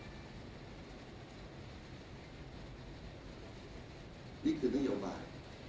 นี่คือประโยคบาล